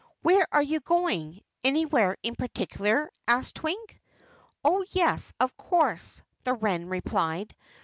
"Where are you going anywhere in particular?" asked Twink. "Oh yes, of course," the wren replied.